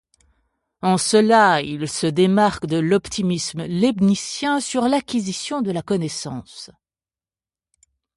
En cela il se démarque de l'optimisme leibnizien sur l'acquisition de la connaissance.